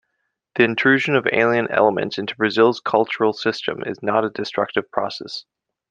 The intrusion of alien elements into Brazil's cultural system is not a destructive process.